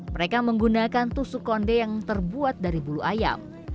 mereka menggunakan tusuk konde yang terbuat dari bulu ayam